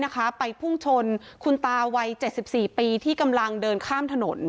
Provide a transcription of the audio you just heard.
ไปพุ่งชนคุณตาวัย๗๔ปีที่กำลังเดินข้ามถนน